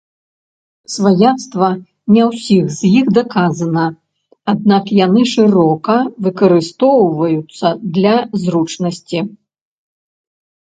Сваяцтва не ўсіх з іх даказана, аднак яны шырока выкарыстоўваюцца для зручнасці.